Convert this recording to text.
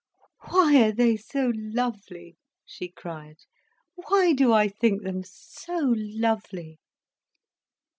"Why are they so lovely," she cried. "Why do I think them so lovely?"